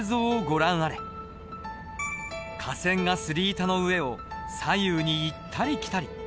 架線がすり板の上を左右に行ったり来たり。